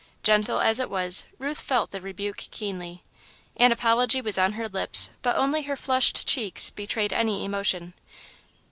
Gentle as it was, Ruth felt the rebuke keenly. An apology was on her lips, but only her flushed cheeks betrayed any emotion.